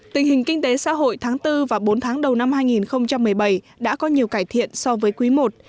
tình hình kinh tế xã hội tháng bốn và bốn tháng đầu năm hai nghìn một mươi bảy đã có nhiều cải thiện so với quý i